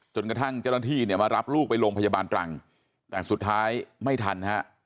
จนกระทั่งเจ้าหน้าที่เนี่ยมารับลูกไปโรงพยาบาลตรังแต่สุดท้ายไม่ทันฮะ